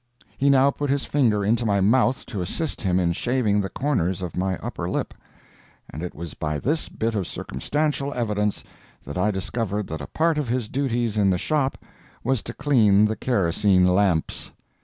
He now put his finger into my mouth to assist him in shaving the corners of my upper lip, and it was by this bit of circumstantial evidence that I discovered that a part of his duties in the shop was to clean the kerosene lamps.